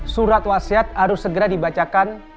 surat wasiat harus segera dibacakan